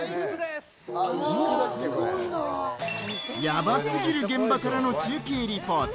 ヤバすぎる現場からの中継リポート。